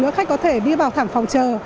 nếu khách có thể đi vào thẳng phòng chờ